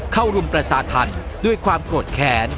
รุมประชาธรรมด้วยความโกรธแค้น